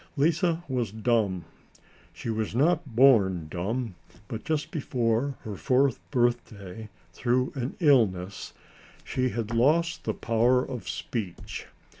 Lise was dumb. She was not born dumb, but just before her fourth birthday, through an illness, she had lost the power of speech.